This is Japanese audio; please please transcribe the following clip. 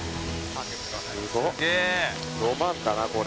すごっ。